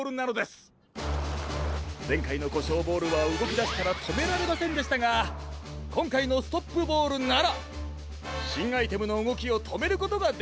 ぜんかいのコショウボールはうごきだしたらとめられませんでしたがこんかいのストップボールならしんアイテムのうごきをとめることができるんです！